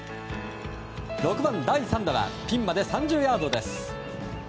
６番、第３打はピンまで３０ヤードです。